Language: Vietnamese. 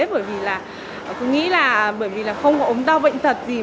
bởi vì là không có ống đau bệnh thật gì